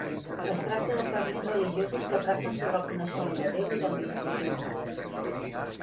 Es tracta de fragments religiosos que tracten sobre el coneixement de Déu i del misticisme.